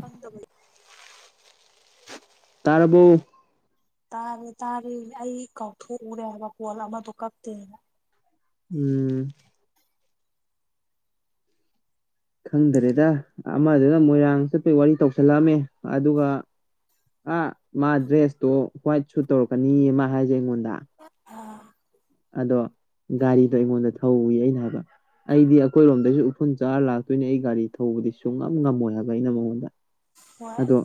ꯈꯪꯗꯕꯅꯤ ꯇꯕꯨ ꯇꯥꯔꯦ ꯇꯥꯔꯦꯅꯦ ꯑꯩ ꯀꯥꯎꯊꯣꯛꯎꯔꯦ ꯍꯥꯏꯕ ꯄꯣꯜ ꯑꯃꯗꯣ ꯀꯞꯇꯦꯅ ꯎꯝ ꯈꯪꯗꯔꯦꯗ ꯑꯃꯗꯨꯅ ꯃꯣꯏꯔꯥꯡ ꯆꯠꯄꯒꯤ ꯋꯥꯔꯤ ꯇꯧꯁꯜꯂꯛꯑꯃꯦ ꯑꯗꯨꯒ ꯑ ꯃꯥ ꯗ꯭ꯔꯦꯁꯇꯣ ꯍ꯭ꯋꯥꯏꯠ ꯁꯨꯠ ꯇꯧꯔꯛꯀꯅꯤ ꯑꯃ ꯍꯥꯏꯖꯩ ꯑꯩꯉꯣꯟꯗ ꯑꯥ ꯑꯗꯣ ꯒꯥꯔꯤꯗꯣ ꯑꯩꯉꯣꯟꯗ ꯊꯧꯏ ꯑꯩꯅ ꯍꯥꯏꯕ ꯑꯩꯗꯤ ꯑꯩꯈꯣꯏꯔꯣꯝꯗꯩꯁꯨ ꯎꯐꯨꯟ ꯆꯥꯔ ꯂꯥꯛꯇꯣꯏꯅꯦ ꯑꯩ ꯒꯥꯔꯤ ꯊꯧꯕꯗꯤ ꯁꯨꯡꯉꯝ ꯉꯝꯃꯣꯏ ꯍꯥꯏꯕ ꯑꯩꯅ ꯃꯉꯣꯟꯗ ꯍꯣꯏ ꯑꯗꯣ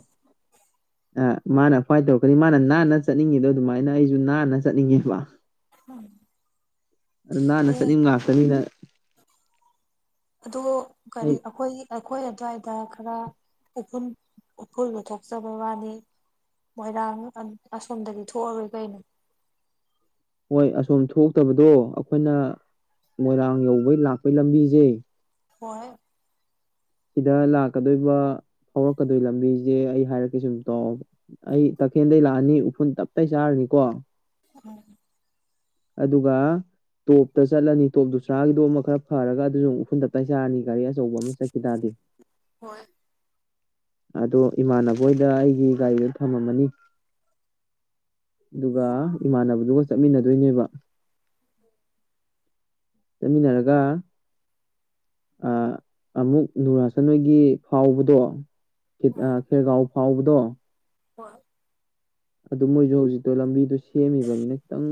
ꯑ ꯃꯥꯅ ꯈ꯭ꯋꯥꯏ ꯇꯧꯔꯛꯀꯅꯤ ꯃꯥꯅ ꯅꯥꯟꯅ ꯆꯠꯅꯤꯡꯉꯦꯗꯣ ꯑꯗꯨꯃꯥꯏꯅ ꯑꯩꯁꯨ ꯅꯥꯟꯅ ꯆꯠꯅꯤꯡꯉꯦꯕ ꯎꯝ ꯅꯥꯟꯁꯅꯤ ꯉꯥꯛꯁꯅꯤꯅ ꯑ ꯀꯔꯤ ꯑꯩ ꯑꯩꯈꯣꯏ ꯑꯩꯈꯣꯏ ꯑꯗꯨ꯭ꯋꯥꯏꯗ ꯈꯔ ꯎꯨ ꯎꯐꯨꯜ ꯂꯧꯊꯣꯛꯆꯕ ꯋꯥꯅꯤ ꯃꯣꯏꯔꯥꯡ ꯑꯁꯣꯝꯗꯒꯤ ꯊꯣꯛꯑꯔꯣꯏ ꯀꯩꯅꯣ ꯍꯣꯏ ꯑꯁꯣꯝ ꯊꯣꯛꯇꯕꯗꯣ ꯑꯩꯈꯣꯏꯅ ꯃꯣꯏꯔꯥꯡ ꯌꯧꯕꯩ ꯂꯥꯛꯄꯩꯒꯤ ꯂꯝꯕꯤꯁꯦ ꯍꯍꯣꯏ ꯁꯤꯗ ꯂꯥꯛꯀꯗꯣꯏꯕ ꯐꯥꯎꯔꯛꯀꯗꯣꯏ ꯂꯝꯕꯤꯁꯦ ꯑꯩ ꯍꯥꯏꯔꯛꯀꯦ ꯁꯨꯝ ꯇꯧꯑꯣꯕ ꯑꯩ ꯇꯈꯦꯜꯗꯒꯤꯩ ꯂꯥꯛꯑꯅꯤ ꯎꯐꯨꯜ ꯇꯞꯇꯇꯩ ꯆꯥꯔꯅꯤꯀꯣ ꯎꯝ ꯑꯗꯨꯒ ꯇꯣꯞꯇ ꯆꯠꯂꯅꯤ ꯇꯣꯞꯇꯨ ꯆꯥꯒꯤꯗꯣ ꯑꯃ ꯈꯔ ꯐꯔꯒ ꯑꯗꯨꯁꯨ ꯎꯐꯨꯟꯗ ꯇꯥꯏꯁꯥꯔꯅꯤ ꯒꯥꯔꯤ ꯑꯆꯧꯕ ꯑꯃ ꯆ ꯏꯗꯥꯗꯤ ꯍꯣꯏ ꯑꯗꯣ ꯏꯃꯥꯟꯅꯕꯣꯏꯗ ꯑꯩꯒꯤ ꯒꯥꯔꯤꯗꯣ ꯊꯝꯃꯝꯃꯅꯤ ꯑꯗꯨꯒ ꯏꯃꯥꯟꯅꯕꯗꯨꯒ ꯆꯠꯃꯤꯟꯅꯗꯣꯏꯅꯦꯕ ꯆꯠꯃꯤꯟꯅꯔꯒ ꯑꯃꯨꯛ ꯅꯨꯔꯥꯆꯅꯣꯏꯒꯤ ꯐꯥꯎꯕꯗꯣ ꯎꯝ ꯈꯦꯔꯒꯥꯎ ꯐꯥꯎꯕꯗꯣ ꯍꯣꯏ ꯑꯗꯨ ꯃꯣꯏꯁꯨ ꯍꯧꯖꯤꯛꯇꯣ ꯂꯝꯕꯤꯗꯨ ꯁꯦꯝꯃꯤꯕꯅꯤꯅ ꯈꯤꯇꯪ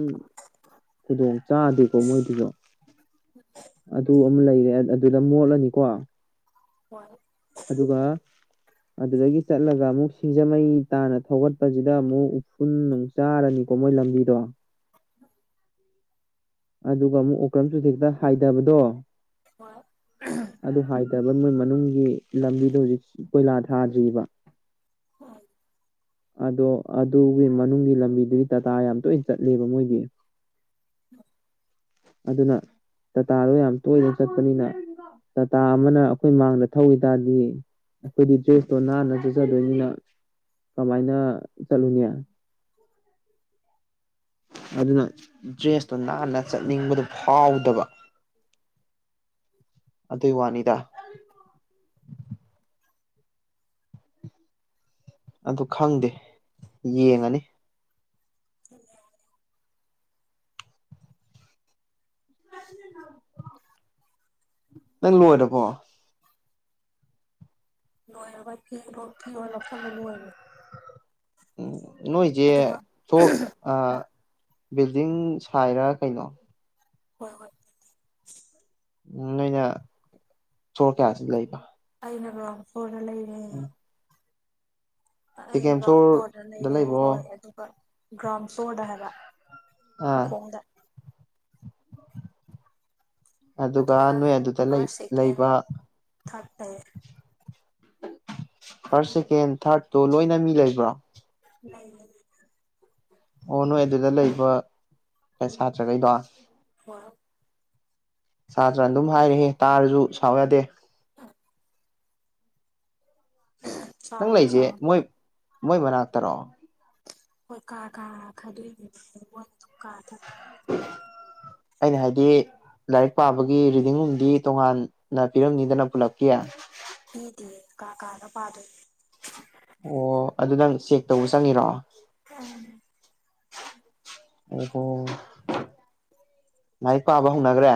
ꯈꯨꯗꯣꯡ ꯆꯥꯗꯦꯀꯣ ꯃꯣꯏꯗꯨꯁꯨ ꯎꯝ ꯑꯗꯨ ꯑꯃ ꯂꯩꯔꯦ ꯑꯗꯨꯗ ꯃꯣꯠꯂꯅꯤꯀꯣ ꯍꯣꯏ ꯑꯗꯨꯒ ꯑꯗꯨꯗꯒꯤ ꯆꯠꯂꯒ ꯑꯃꯨꯛ ꯁꯤꯡꯖꯃꯩ ꯇꯥꯅ ꯊꯧꯒꯠꯄꯁꯤꯗ ꯑꯃꯨꯛ ꯎꯐꯨꯜ ꯅꯨꯡ ꯆꯥꯔꯅꯤꯀꯣ ꯃꯣꯏ ꯂꯝꯕꯤꯗꯣ [inaudible] ꯑꯗꯨꯒ ꯑꯃꯨꯛ ꯑꯣꯀ꯭ꯔꯝ ꯗꯨꯗꯩ ꯈꯤꯇꯪ ꯍꯥꯏꯗꯕꯗꯣ ꯍ‌ꯣꯏ ꯑꯗꯨ ꯍꯥꯏꯊꯕ ꯃꯣꯏ ꯃꯅꯨꯡꯒꯤ ꯂꯝꯕꯤꯗꯣ ꯍꯧꯖꯤꯛ ꯀꯣꯏꯂꯥ ꯊꯥꯗ꯭ꯔꯤꯕ ꯍꯣꯏ ꯑꯗꯣ ꯑꯗꯨꯒꯤ ꯃꯅꯨꯡꯒꯤ ꯂꯝꯕꯤꯗꯨꯒꯤ ꯇꯥꯇꯥ ꯌꯥꯝ ꯇꯣꯏꯅ ꯆꯠꯂꯦꯕ ꯃꯣꯏꯒꯤ [unintelligible] ꯑꯗꯨꯅ ꯇꯥꯇꯥꯗꯣ ꯌꯥꯝ ꯇꯣꯏꯅ ꯆꯠꯄꯅꯤꯅ ꯇꯥꯇꯥ ꯑꯃꯅ ꯑꯩꯈꯣꯏ ꯃꯥꯡꯗ ꯊꯧꯈꯤ ꯇꯔꯗꯤ ꯑꯩꯈꯣꯏꯗꯤ ꯗ꯭ꯔꯦꯁꯇꯣ ꯅꯥꯟꯅ ꯆꯠꯆꯗꯣꯏꯅꯤꯅ ꯀꯃꯥꯏꯅ ꯆꯠꯂꯨꯅꯤ ꯑꯗꯨꯅ ꯗ꯭ꯔꯦꯁꯇꯨ ꯅꯥꯟꯅ ꯆꯠꯅꯤꯡꯕꯗꯨ ꯐꯥꯎꯗꯕ ꯑꯗꯨꯏ ꯋꯥꯅꯤꯗ ꯑꯗꯨ ꯈꯪꯗꯦ ꯌꯦꯡꯉꯅꯤ [unintelligible] [unintelligible] ꯅꯪ ꯂꯣꯏꯔꯕꯣ [inaudible] ꯂꯣꯏꯔꯕ ꯐꯤꯔ‌ꯣꯜ ꯐꯤꯔ‌ꯣꯜ ꯂꯧꯁꯤꯜꯂ ꯂ‌ꯣꯏꯔ‌ꯦ ꯎꯝ ꯅꯣꯏꯁꯦ ꯑꯗꯨꯒ ꯐ‌ꯂ‌ꯣꯔ ꯑ ꯕꯤꯜꯗꯤꯡ ꯁꯥꯏꯔ ꯀꯩꯅꯣ ꯍꯣꯏ ꯍꯣꯏ ꯎꯝ ꯅꯣꯏꯅ ꯐꯔ‌ꯣꯜ ꯀꯌꯥꯗ ꯂꯩꯕ ꯑꯩꯅ ꯒꯔꯥꯎꯟ ꯐꯂ‌ꯣꯔꯗ ꯂꯩꯔꯦ ꯑꯩꯅ ꯁꯦꯀꯦꯟ ꯒꯔꯥꯎꯟ ꯐ꯭ꯂꯣꯔꯗ ꯂꯩꯔꯦ ꯂꯩꯕ꯭ꯔꯣ ꯍꯣꯏ ꯑꯗꯨꯒ ꯒꯔꯥꯎꯟ ꯐ꯭ꯂꯣꯔꯗ ꯍꯥꯏꯕ ꯑꯥ ꯃꯈꯣꯡꯗ ꯑꯗꯨꯒ ꯅꯣꯏ ꯑꯗꯨꯗ ꯂꯩ ꯐꯥꯔꯁ ꯁꯦꯀꯦꯟ ꯂꯩꯕ ꯊꯥꯔꯠ ꯂꯩ ꯐꯥꯔꯁ ꯁꯦꯀꯦꯟ ꯊꯥꯔꯠꯇꯨ ꯂꯣꯏꯅ ꯃꯤ ꯂꯩꯕ꯭ꯔ‌ꯣ ꯂꯩ ꯂꯩ ꯑꯣ ꯅꯣꯏ ꯑꯗꯨꯗ ꯂꯩꯕ ꯁꯥꯇ꯭ꯔꯈꯩꯗꯣ ꯍꯣꯏ ꯁꯥꯇ꯭ꯔ ꯑꯗꯨꯝ ꯍꯥꯏꯔ‌ꯦꯍ‌ꯦ ꯇꯥꯔꯁꯨ ꯁꯥꯎ ꯌꯥꯗꯦ ꯅꯪ ꯂꯩꯁꯦ ꯆꯥꯎꯔ ꯃꯣꯏ ꯃꯣꯏ ꯃꯅꯥꯛꯇꯔꯣ ꯍꯣꯏ ꯀꯥ ꯀꯥ ꯈꯥꯏꯗꯣꯛꯏꯅ‌ꯦ ꯃ‌ꯣꯏ ꯀꯥꯗ ꯑꯩꯅ ꯍꯥꯏꯗꯤ ꯂꯥꯏꯔꯤꯛ ꯄꯥꯕꯒꯤ ꯔꯤꯗꯤꯡꯔꯨꯝꯗꯤ ꯇꯣꯉꯥꯟꯅ ꯄꯤꯔꯝꯅꯤꯗꯅ ꯄꯨꯜꯂꯛꯀꯤ ꯄꯤꯗꯦ ꯀꯥ ꯀꯥꯗ ꯄꯥꯗꯣꯏꯅ‌ꯦ ꯑꯣ ꯑꯗꯨ ꯅꯪ ꯆꯦꯛ ꯇꯧꯕ ꯆꯪꯉꯤꯔꯣ [unintelligible] ꯑꯣꯍꯣ ꯂꯥꯏꯔꯤꯛ ꯄꯥꯕ ꯍꯧꯅꯈ꯭ꯔꯦ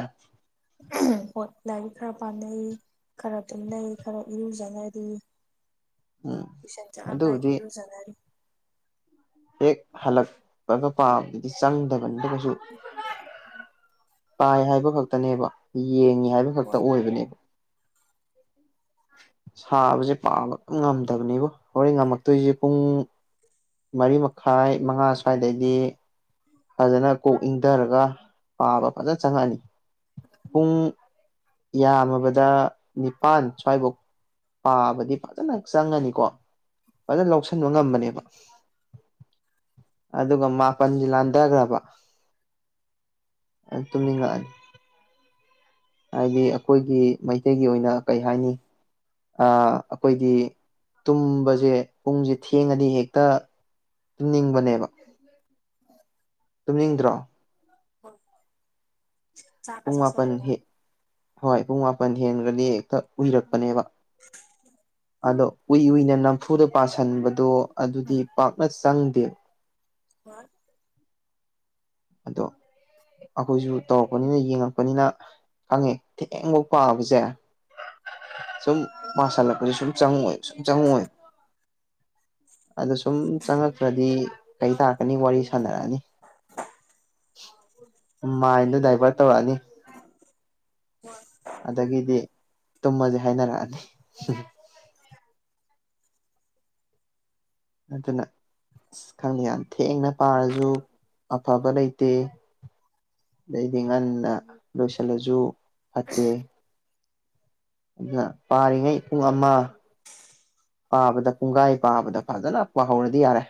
ꯍ‌ꯣꯏ ꯂꯥꯏꯔꯤꯛ ꯈꯔ ꯄꯅꯩ ꯈꯔ ꯇꯨꯝꯅꯩ ꯈꯔ ꯏꯔꯨꯖꯅꯔꯤ ꯎꯝ ꯇꯨꯏꯁꯟ ꯆꯠꯂꯝꯗꯥꯏꯒꯤ ꯑꯗꯨꯕꯨꯗꯤ ꯏꯔꯨꯖꯅꯔꯤ ꯍꯦꯛ ꯍꯜꯂꯛꯄꯒ ꯄꯥꯕꯗꯨꯗꯤ ꯆꯪꯗꯕꯅꯤꯗ ꯀꯩꯁꯨ ꯄꯥꯏ ꯍꯥꯏꯕ ꯈꯛꯇꯅꯦꯕ ꯌꯦꯡꯉꯤ ꯍꯥꯏꯕ ꯈꯛꯇ ꯍꯣꯏ ꯑꯣꯏꯕꯅꯦ ꯁꯥꯕꯁꯦ ꯄꯥꯕ ꯉꯝꯗꯕꯅꯦꯕꯨ ꯍꯣꯔꯦꯟ ꯉꯝꯃꯛꯇꯣꯏꯁꯦ ꯄꯨꯡ ꯃꯔꯤ ꯃꯈꯥꯏ ꯃꯉꯥ ꯁꯋꯥꯏꯗꯩꯗꯤ ꯐꯖꯅ ꯀꯣꯛ ꯏꯪꯊꯔꯒ ꯄꯥꯕ ꯐꯖꯅ ꯆꯪꯉꯛꯑꯅꯤ ꯍ ꯄꯨꯡ ꯌꯥꯝꯃꯕꯗ ꯅꯤꯄꯥꯟ ꯁ꯭ꯋꯥꯏꯐꯧ ꯄꯥꯕꯗꯤ ꯐꯖꯅ ꯆꯪꯉꯅꯤꯀꯣ ꯐꯖꯅ ꯂꯧꯁꯤꯟꯕ ꯉꯝꯕꯅꯦꯕ ꯑꯗꯨꯒ ꯃꯥꯄꯟꯁꯤ ꯂꯥꯟꯊꯈ꯭ꯔꯕ ꯇꯨꯝꯅꯤꯡꯉꯛꯑꯅꯤ ꯍꯥꯏꯗꯤ ꯑꯩꯈꯣꯏꯒꯤ ꯃꯩꯇꯩꯒꯤ ꯑꯣꯏꯅ ꯀꯩ ꯍꯥꯏꯅꯤ ꯑꯩꯈꯣꯏꯗꯤ ꯇꯨꯝꯕꯁꯦ ꯄꯨꯡꯁꯦ ꯊꯦꯡꯉꯗꯤ ꯍꯦꯛꯇ ꯇꯅꯤꯡꯕꯅꯦꯕ ꯇꯨꯝꯅꯤꯡꯗ꯭ꯔꯣ ꯍꯣꯏ ꯆꯥꯛꯀ ꯄꯨꯡ ꯃꯥꯄꯟ ꯆꯥꯁꯤꯜꯂꯒ ꯍ ꯍꯣꯏ ꯄꯨꯡ ꯃꯥꯄꯜ ꯍꯦꯟꯈ꯭ꯔꯗꯤ ꯍꯦꯛꯇ ꯎꯏꯔꯛꯄꯅꯦꯕ ꯑꯗꯣ ꯎꯏ ꯎꯨꯏꯅ ꯅꯝꯐꯨꯗ ꯄꯁꯤꯟꯕꯗꯣ ꯑꯗꯨꯗꯤ ꯄꯥꯛꯅ ꯆꯪꯗꯦ ꯍꯥ ꯑꯗꯣ ꯑꯩꯈꯣꯏꯁꯨ ꯇꯧꯔꯛꯄꯅꯤꯅ ꯌꯦꯡꯉꯛꯄꯅꯤꯅ ꯈꯪꯉꯦ ꯊꯦꯡꯐ ꯄꯥꯕꯁꯦ ꯁꯨꯝ ꯃꯥꯁꯜꯂꯛꯄꯁꯦ ꯁꯨꯝ ꯆꯪꯉꯣꯏ ꯁꯨꯝ ꯆꯪꯉꯣꯏ ꯑꯗ ꯁꯨꯝ ꯆꯪꯉꯛꯇ꯭ꯔꯗꯤ ꯀꯩ ꯇꯥꯔꯛꯀꯅꯤ ꯋꯥꯔꯤ ꯁꯥꯟꯅꯔꯛꯑꯅꯤ ꯃꯥꯏꯟꯗꯣ ꯗꯥꯏꯚꯔꯠ ꯇꯧꯔꯛꯑꯅꯤ ꯎꯝ ꯑꯗꯒꯤꯗꯤ ꯇꯨꯝꯃꯁꯦ ꯍꯥꯏꯅꯔꯛꯑꯅꯤ ꯅꯠꯇꯅ ꯑꯁ ꯈꯪꯗꯦ ꯌꯥꯝ ꯊꯦꯡꯅ ꯄꯥꯔꯁꯨ ꯑꯐꯕ ꯂꯩꯇꯦ ꯑꯗꯩꯗꯤ ꯉꯟꯅ ꯂꯣꯏꯁꯤꯜꯂꯁꯨ ꯐꯠꯇꯦ ꯑꯗꯨꯅ ꯄꯥꯔꯤꯉꯩ ꯄꯨꯡ ꯑꯃ ꯄꯥꯕꯗ ꯀꯨꯡꯒꯥꯏ ꯄꯥꯕꯗ ꯐꯖꯅ ꯄꯥꯍꯧꯔꯗꯤ ꯌꯥꯔꯦ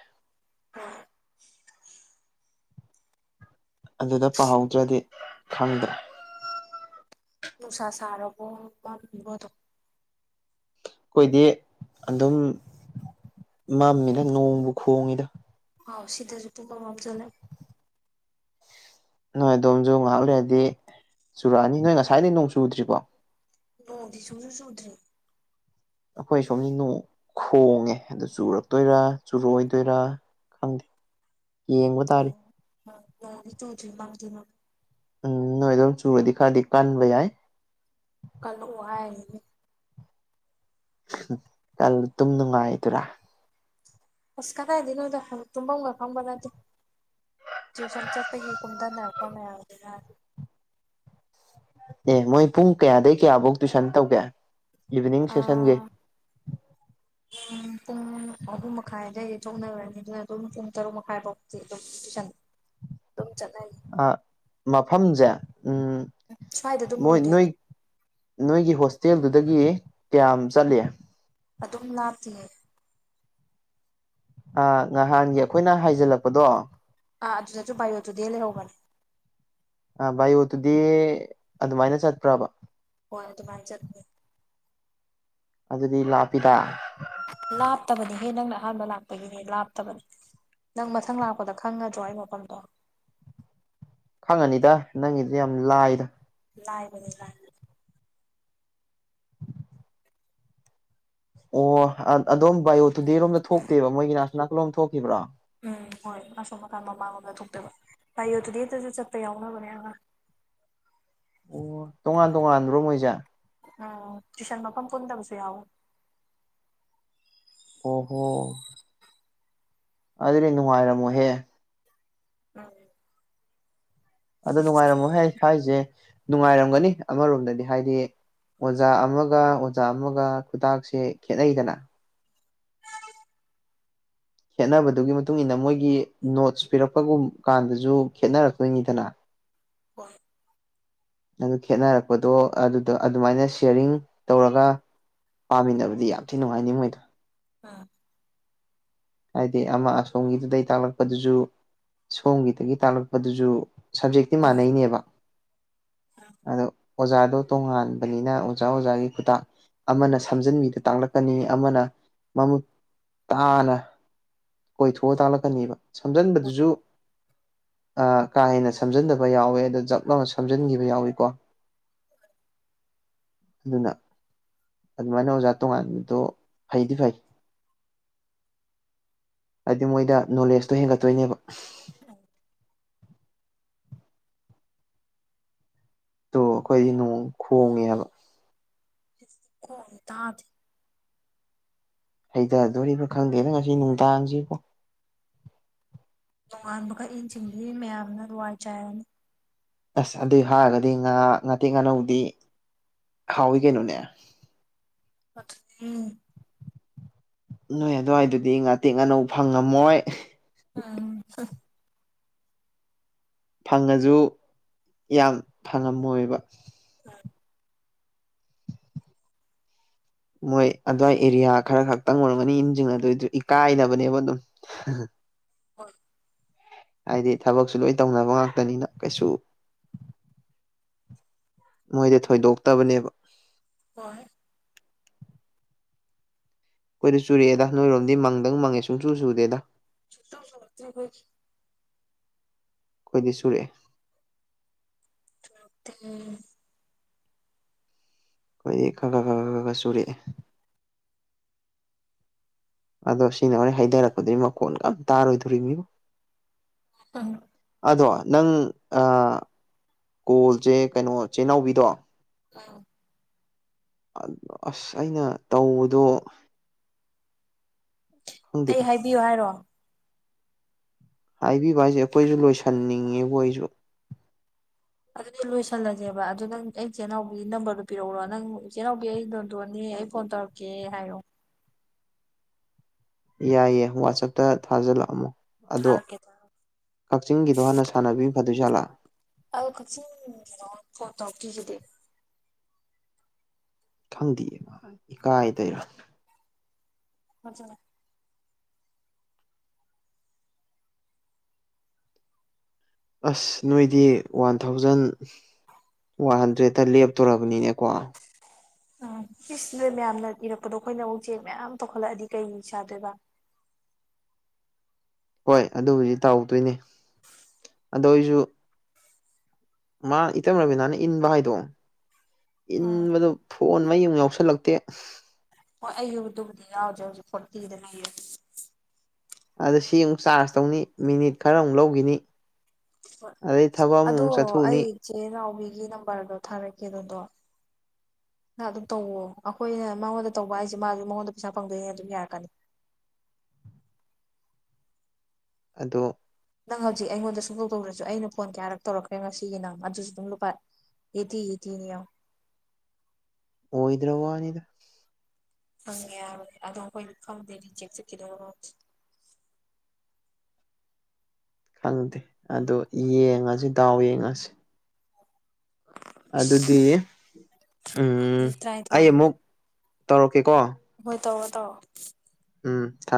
ꯍ ꯑꯗꯨꯗ ꯄꯥꯍꯧꯗ꯭ꯔꯗꯤ ꯈꯪꯗ꯭ꯔꯦ ꯅꯨꯡꯁꯥ ꯁꯥꯔꯔꯕꯣ ꯃꯥꯕꯗ ꯑꯩꯈꯣꯏꯗꯤ ꯑꯗꯨꯝ ꯃꯝꯃꯤꯅ ꯅꯣꯡꯕꯨ ꯈꯣꯡꯉꯤꯗ ꯍꯥꯎ ꯁꯤꯗꯁꯨ ꯇ ꯀꯃꯞ ꯆꯂ ꯅꯣꯏ ꯑꯗꯣꯝꯁꯨ ꯉꯥꯏꯍꯥꯛ ꯂꯩꯔꯗꯤ ꯆꯨꯔꯛꯑꯅꯤ ꯅꯣꯏ ꯉꯁꯥꯏꯗꯒꯤꯩ ꯅꯣꯡ ꯆꯨꯗ꯭ꯔꯤꯀꯣ ꯅꯣꯡꯗꯤ ꯁꯨꯁꯨ ꯁꯨꯗ꯭ꯔꯤ ꯑꯩꯈꯣꯏ ꯁꯣꯝꯁꯤꯅꯣꯡ ꯈꯣꯡꯉꯦ ꯑꯗꯨ ꯆꯨꯔꯛꯇꯣꯏꯔ ꯆꯨꯔꯏꯗꯣꯏꯔ ꯈꯪꯗꯦ ꯌꯦꯡꯕ ꯇꯥꯔꯦ ꯍ ꯆꯣ ꯊ ꯃ ꯊ ꯎꯝ ꯅꯣꯏ ꯑꯗꯨꯝ ꯆꯨꯔꯗꯤ ꯈꯔꯗꯤ ꯀꯟꯕ ꯌꯥꯏ ꯀꯂꯨ ꯍꯥꯏ ꯜꯂ ꯑꯗꯨꯝ ꯅꯨꯡꯉꯥꯏꯗꯔꯥ ꯍꯁ ꯀꯥꯥꯏꯗꯦ ꯅꯣꯗ ꯇꯨꯝ ꯎ ꯀꯝꯕꯕꯗꯥꯏꯗꯤ ꯇ꯭ꯋꯨꯁꯟ ꯆꯠꯄ ꯍꯤ ꯀꯨꯝꯊꯅꯔꯛꯄ ꯃꯌꯥꯝꯗꯨꯅ ꯑꯦ ꯃꯣꯏ ꯄꯨꯡ ꯀꯌꯥꯗꯒꯤꯩ ꯀꯌꯥꯐꯧ ꯇꯨꯏꯁꯟ ꯇꯧꯒꯦ ꯏꯚꯤꯅꯤꯡ ꯁꯦꯁꯟꯒꯤ ꯍ ꯎꯝ ꯄꯨꯡ ꯑꯍꯨꯝ ꯃꯈꯥꯏꯗ ꯊꯣꯛꯅꯔꯅꯤ ꯑꯗꯨꯅ ꯑꯗꯨꯝ ꯄꯨꯡ ꯇꯔꯨꯛ ꯃꯈꯥꯏ ꯐꯥꯎꯗꯤꯤ ꯑꯗꯨꯝ ꯆ ꯇꯨꯝ ꯆ ꯀ ꯃꯐꯝꯁꯦ ꯎꯝ ꯁ꯭ꯋꯥꯏꯗ ꯑꯗꯨꯝ ꯃꯣꯏ ꯅꯣꯏ ꯑꯣꯏꯗꯣꯏꯅꯦ ꯅꯣꯏꯒꯤ ꯍꯣꯁꯇꯦꯜꯗꯨꯗꯒꯤ ꯀꯌꯥꯝ ꯆꯠꯂꯤꯦ ꯑꯗꯨꯝ ꯂꯥꯞꯇꯦ ꯑ ꯅꯍꯥꯟꯒꯤ ꯑꯩꯈꯣꯏꯅ ꯍꯥꯏꯖꯤꯜꯂꯛꯄꯗꯣ ꯑꯥ ꯑꯗꯨꯗꯁꯨ ꯄꯥꯏꯌ ꯑꯗꯨꯗꯦ ꯂꯩꯦꯧꯒꯅꯤ ꯑ ꯚꯣꯠꯇꯨꯗꯤ ꯑꯗꯨꯃꯥꯏꯅ ꯆꯠꯄ꯭ꯔꯕ ꯍꯣꯏ ꯑꯗꯨ ꯃ ꯆ ꯑꯗꯨꯗꯤ ꯂꯥꯛꯄꯤꯗ ꯂꯥꯞꯇꯕꯅꯤꯍꯦ ꯅꯪꯅ ꯑꯍꯥꯟꯕ ꯂꯥꯛꯄꯒꯤꯅꯦ ꯂꯥꯞꯇꯕꯅꯤ ꯅꯪ ꯃꯊꯪ ꯂꯥꯛꯄꯗ ꯈꯪꯉꯗ꯭ꯔꯣ ꯑꯩ ꯃꯐꯝꯗꯣ ꯈꯪꯉꯅꯤꯗ ꯅꯪꯒꯤꯗꯤ ꯌꯥꯝ ꯂꯥꯏꯗ ꯂꯥꯏꯕꯅꯦ ꯂꯥꯏ ꯑꯣ ꯑꯗꯣꯝ ꯕꯥꯏꯑꯣ ꯇꯨꯗꯦꯔꯣꯝꯗ ꯊꯣꯛꯇꯦꯕ ꯃꯣꯏꯒꯤ ꯅꯥꯁꯅꯥꯀꯜꯂꯣꯝ ꯊꯣꯛꯈꯤꯕ꯭ꯔꯣ ꯎꯝ ꯍꯣꯏ ꯑꯁꯣꯝꯀꯥꯟ ꯃꯃꯥꯡꯣꯝꯗ ꯊꯣꯛꯇꯣꯏꯕ ꯥꯏꯌꯣ ꯑꯗꯨꯗꯤ ꯑꯦꯁꯨ ꯆꯠꯄ ꯌꯥꯎꯅꯕꯅꯦ ꯑ ꯑꯣ ꯇꯣꯉꯥꯟ ꯇꯣꯉꯥꯟꯕ꯭ꯔꯣ ꯃꯣꯏꯁꯦ ꯎꯝ ꯇꯨꯏꯁꯟ ꯃꯐꯝ ꯄꯨꯟ ꯇꯕꯁ ꯌꯥꯎ ꯑꯣ ꯍꯣ ꯑꯗꯨꯗꯤ ꯅꯨꯡꯉꯥꯏꯔꯝꯃꯣꯍꯦ ꯎꯝ ꯑꯗꯣ ꯅꯨꯡꯉꯥꯏꯔꯝꯃꯣ ꯍꯥꯏ ꯍꯥꯏꯁꯦ ꯅꯨꯡꯉꯥꯏꯔꯝꯒꯅꯤ ꯑꯃꯔꯣꯝꯗꯗꯤ ꯍꯥꯏꯗꯤ ꯑꯣꯖꯥ ꯑꯃꯒ ꯑꯣꯖꯥ ꯑꯃꯒ ꯈꯨꯇꯥꯛꯁꯦ ꯈꯦꯅꯩꯗꯅ ꯈꯦꯠꯅꯕꯗꯨꯒꯤ ꯃꯇꯨꯡ ꯏꯟꯅ ꯃꯣꯏꯒꯤ ꯅꯣꯠꯁ ꯄꯤꯔꯛꯄꯒꯨꯝ ꯀꯥꯟꯗꯁꯨ ꯈꯦꯠꯅꯔꯛꯇꯣꯏꯅꯤꯗꯅ ꯍꯣꯏ ꯑꯗꯨ ꯈꯦꯠꯅꯔꯛꯄꯗꯣ ꯑꯗꯨꯗ ꯑꯗꯨꯃꯥꯏꯅ ꯁꯤꯌꯥꯔꯤꯡ ꯇꯧꯔꯒ ꯄꯥꯃꯤꯟꯅꯕꯗꯤ ꯌꯥꯝ ꯊꯤ ꯅꯨꯡꯉꯥꯏꯅꯤ ꯃꯣꯏꯗꯣ ꯑꯥ ꯍꯥꯏꯗꯤ ꯑꯃ ꯑꯁꯣꯝꯒꯤꯗꯨꯗꯒꯤ ꯇꯥꯛꯂꯛꯄꯗꯨꯁꯨ ꯁꯣꯝꯒꯤꯗꯒꯤ ꯇꯥꯛꯂꯛꯄꯗꯨꯁꯨ ꯁꯞꯖꯦꯛꯇꯤ ꯃꯥꯟꯅꯩꯅꯦꯕ ꯎꯝ ꯑꯗꯣ ꯑꯣꯖꯥꯗꯣ ꯇꯣꯉꯥꯟꯕꯅꯤꯅ ꯑꯣꯖꯥ ꯑꯣꯖꯥꯒꯤ ꯈꯨꯇꯥꯛ ꯑꯃꯅ ꯁꯝꯖꯤꯟꯕꯤꯗ ꯇꯥꯡꯂꯛꯀꯅꯤ ꯑꯃꯅ ꯃꯃꯨꯠ ꯇꯥꯅ ꯀꯣꯏꯊꯣꯛꯑ ꯇꯥꯛꯜꯂꯛꯀꯅꯦꯕ ꯁꯝꯖꯟꯕꯗꯨꯁꯨ ꯑ ꯀꯥ ꯍꯦꯟꯅ ꯁꯝꯖꯟꯗꯕ ꯌꯥꯎꯋꯦ ꯑꯗꯣ ꯖꯞ ꯂ ꯁꯝꯖꯟꯈꯤꯕ ꯌꯥꯎꯏ ꯀꯣ ꯑꯗꯨꯅ ꯑꯗꯨꯃꯥꯏꯅ ꯑꯣꯖꯥ ꯇꯣꯉꯥꯟꯕꯗꯣ ꯐꯩꯗꯤ ꯐꯩ ꯍꯥꯏꯗꯤ ꯃꯣꯏꯗ ꯅꯣꯂꯦꯖꯇꯣ ꯍꯦꯟꯒꯠꯇꯣꯏꯅꯦꯕ ꯎꯝ ꯑꯗꯨ ꯑꯩꯈꯣꯏꯗꯤ ꯅꯣꯡ ꯈꯣꯡꯉꯦ ꯍꯥꯏꯕ ꯀꯣ ꯇꯥꯗ ꯍꯩꯊꯗꯣꯔꯤꯕ ꯈꯪꯗꯦꯗ ꯉꯁꯤ ꯅꯨꯡꯗꯥꯡꯁꯤꯣ ꯇꯣꯉꯥꯟꯕꯈꯛ ꯏꯟꯁꯤꯡꯗꯤ ꯃꯌꯥꯝꯅ ꯋꯥꯏ ꯆꯥꯏꯔꯅꯤ ꯑꯁ ꯑꯗꯨꯏ ꯍꯥꯏꯔꯒꯗꯤ ꯉꯥ ꯉꯥꯇꯦꯛ ꯉꯥꯅꯧꯗꯤ ꯍꯥꯎꯋꯤ ꯀꯩꯅꯣꯅꯦ ꯐ ꯅꯣꯏ ꯑꯗꯨꯋꯥꯏꯗꯨꯗꯤ ꯉꯥꯇꯦꯛ ꯑꯥꯅꯧ ꯐꯪꯉꯝꯃꯣꯏ ꯎꯝ ꯐꯪꯉꯁꯨ ꯌꯥꯝ ꯐꯪꯉꯝꯃꯣꯏꯕ ꯍꯝ ꯃꯣꯏ ꯑꯗꯨꯋꯥꯏ ꯑꯦꯔꯤꯌꯥ ꯈꯔ ꯈꯛꯇꯪ ꯑꯣꯏꯔꯝꯒꯅꯤ ꯏꯁꯤꯡ ꯑꯗꯨꯏꯗꯨ ꯏꯀꯥꯏꯅꯕꯅꯦꯕ ꯑꯗꯨꯝ ꯍꯣꯏ ꯍꯥꯏꯗꯤ ꯊꯕꯛꯁꯨ ꯂꯣꯏ ꯇꯧꯅꯕ ꯉꯥꯛꯇꯅꯤꯅ ꯀꯩꯁꯨ ꯃꯣꯏꯗꯤ ꯊꯣꯏꯗꯣꯛꯇꯕꯅꯦꯕ ꯍꯣꯏ ꯑꯩꯈꯣꯏꯗ ꯆꯨꯔꯑꯦꯗ ꯅꯣꯏꯔꯣꯝꯗꯤ ꯃꯪꯗꯪ ꯃꯪꯉꯦ ꯁꯨꯡ ꯆꯨ ꯆꯨꯗꯦꯗ ꯁꯨꯡꯆꯨ ꯆꯨꯔꯛꯇ꯭ꯔꯤ ꯈꯣꯏꯗꯤ ꯑꯩꯈꯣꯏꯗꯤ ꯁꯨꯔꯛꯑꯦ ꯛꯇ ꯑꯩꯈꯣꯏꯗꯤ ꯈꯔ ꯈ ꯈ ꯈ ꯈ ꯈ ꯆꯨꯔꯛꯑꯦ ꯑꯗꯣ ꯁꯤꯅ ꯍꯣꯔꯣꯏ ꯍꯥꯏꯩꯊꯔꯛꯄꯗꯨ ꯃꯈꯣꯟ ꯀꯝ ꯇꯥꯔꯣꯏꯗꯣꯔꯤꯅꯤꯣ ꯑꯝ ꯑꯗꯣ ꯅꯪ ꯀꯣꯜꯁꯦ ꯀꯩꯅꯣ ꯆꯦꯅꯥꯎꯕꯤꯗꯣ ꯑꯥ ꯑꯁ ꯑꯩꯅ ꯇꯧꯕꯗꯣ ꯑꯩ ꯈꯪꯗꯦꯗ ꯍꯥꯏꯕꯤꯌꯨ ꯍꯥꯏꯔꯣ ꯍꯥꯏꯕꯤꯕ ꯍꯥꯏꯁꯦ ꯑꯩꯈꯣꯏꯁꯨ ꯂꯣꯏꯁꯟꯅꯤꯡꯉꯦꯕ ꯑꯩꯁꯨ ꯑꯗꯨꯗꯤ ꯂꯣꯏꯁꯜꯂꯁꯦꯕ ꯑꯗꯨ ꯅꯪ ꯑꯩ ꯆꯆꯤꯜꯅꯥꯎꯒꯤ ꯅꯝꯕꯔꯗꯨꯣ ꯄꯤꯔꯛꯎꯔꯣ ꯅꯪ ꯆꯦꯅꯥꯎꯕꯤ ꯑꯩ ꯗꯦꯟꯗꯣꯟꯅꯦ ꯑꯩ ꯐꯣꯟ ꯇꯧꯔꯛ ꯀꯦ ꯍꯥꯏꯌꯣ ꯌꯥꯏꯑꯦ ꯋꯥꯆꯞꯇ ꯊꯥꯖꯤꯜꯂꯛꯑꯝꯃꯣ ꯑꯗꯣ ꯊꯥꯔꯛꯀꯦ ꯊꯥꯔꯛꯀꯦ ꯀꯛꯆꯤꯡꯒꯤꯗꯣ ꯍꯥꯟꯅ ꯁꯥꯟꯅꯕꯤ ꯐꯗꯣꯏ ꯖꯥꯠꯂ ꯑꯗ ꯀꯛꯆꯤꯡ ꯀꯩꯅ ꯐꯣꯟ ꯇꯧꯔꯛꯇ꯭ꯔꯤꯗꯨꯗꯤ ꯈꯪꯗꯦꯑ ꯏꯀꯥꯏꯗꯩꯔ ꯃꯖꯅ ꯑꯁ ꯅꯣꯏꯗꯤ ꯋꯥꯟ ꯊꯥꯎꯖꯟ [inaudible] ꯋꯥꯟ ꯍꯟꯗ꯭ꯔꯦꯗꯠꯇ ꯂꯦꯞꯇꯣꯔꯔꯕꯅꯤꯅꯦ ꯀꯣ ꯎꯝ ꯁꯤꯁꯤꯅꯦ ꯃꯌꯥꯝꯅ ꯏꯔꯛꯄꯗꯣ ꯑꯩꯈꯣꯏꯅ ꯎꯆꯛ ꯎꯆꯦꯛ ꯃꯌꯥꯝ ꯇꯧꯈꯠꯂꯛꯑꯗꯤ ꯀꯩ ꯁꯥꯗꯣꯏꯕ ꯍꯣꯏ ꯑꯗꯨꯕꯨꯖꯤ ꯇꯧꯗꯣꯏꯅꯤ ꯑꯗꯣ ꯑꯩꯁꯨ ꯃꯥ ꯏꯇꯝ ꯔꯕꯤꯅꯥꯅ ꯏꯟꯕ ꯍꯥꯏꯗꯣ ꯎꯝ ꯏꯟꯕꯗꯨ ꯐꯣꯟ ꯃꯌꯨꯝ ꯌꯥꯎꯁꯜꯂꯛꯇꯦ ꯍꯣꯏ ꯑꯌꯨꯗꯨꯕꯨꯗꯤ ꯌꯥꯎꯗ꯭ꯔꯦ ꯍꯧꯖꯤꯛ ꯐꯣꯔꯇꯤꯗ ꯂꯩꯌꯦ ꯑꯗ ꯁꯤ ꯑꯃꯨꯛ ꯆꯥꯔꯖ ꯇꯧꯅꯤ ꯃꯤꯅꯤꯠ ꯈꯔ ꯑꯃꯨꯛ ꯂꯧꯈꯤꯅꯤ ꯑꯗꯩ ꯊꯕꯛ ꯑꯃꯨꯨꯛ ꯆꯠꯊꯣꯛꯎꯅꯤ ꯏꯆꯦꯅꯥꯎꯕꯤꯒꯤ ꯅꯝꯕꯔꯗꯣ ꯊꯥꯔꯛꯀꯦ ꯑꯗꯨꯗꯣ ꯅ ꯑꯗꯨꯝ ꯇꯧꯋꯣ ꯑꯩꯈꯣꯏꯅ ꯃꯉꯣꯟꯗ ꯇꯧꯕ ꯍꯥꯏꯁꯦ ꯃꯥꯒꯤ ꯃꯉꯣꯟꯗ ꯄꯩꯁꯥ ꯐꯪꯗꯣꯏꯅꯦ ꯑꯗꯨꯝ ꯌꯥꯔꯛꯀꯅꯤ ꯑꯗꯣ ꯅꯪ ꯍꯧꯖꯤꯛ ꯑꯩꯉꯣꯟꯗ ꯁꯨꯝ ꯇꯧ ꯇꯧ꯭ꯔꯁꯨ ꯑꯩꯅ ꯐꯣꯟ ꯀꯌꯥꯔꯛ ꯇꯧꯔꯛꯈ꯭ꯔꯦ ꯉꯁꯤꯒꯤ ꯅꯪ ꯑꯗꯨꯁꯨ ꯑꯗꯨꯝ ꯂꯨꯄꯥ ꯍꯦꯗꯤ ꯑꯦꯇꯤꯅꯤꯌꯣ ꯑꯣꯏꯗ꯭ꯔ ꯋꯥꯅꯤꯗ ꯈꯪꯉꯦ ꯌꯥꯏꯕꯅꯤ ꯑꯗꯣ ꯑꯩꯈꯣꯏꯗꯤ ꯈꯪꯗꯦ ꯔꯤꯖꯦꯛ ꯆꯠꯀꯤꯗꯣꯔꯕ ꯈꯪꯗꯦ ꯑꯗꯣ ꯌꯦꯡꯉꯁꯤ ꯗꯥꯎ ꯌꯦꯡꯉꯁꯤ ꯑꯗꯨꯗꯤ ꯃꯤꯅꯤꯠ ꯑꯩ ꯇꯔꯥꯅꯤꯊꯣꯏ ꯑꯃꯨꯛ ꯇꯧꯔꯛꯀꯦꯀꯣ ꯍꯣꯏ ꯇꯧꯑꯣ ꯇꯑꯣ ꯎꯝ ꯊꯝ